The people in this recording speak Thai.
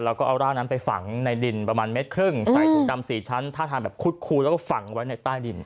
แล้วก็เอาร่างนั้นไปฝังในดินประมาณเมตรครึ่งใส่ถุงดำ๔ชั้นท่าทางแบบคุดคูแล้วก็ฝังไว้ในใต้ดิน